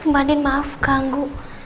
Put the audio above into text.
bu andin maaf ganggu